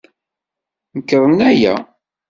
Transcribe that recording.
Nekṛen aya.